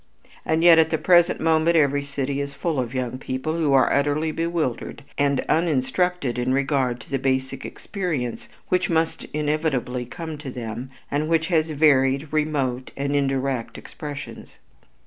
And yet at the present moment every city is full of young people who are utterly bewildered and uninstructed in regard to the basic experience which must inevitably come to them, and which has varied, remote, and indirect expressions.